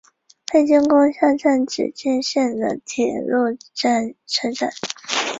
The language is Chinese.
博纳维尔阿普托。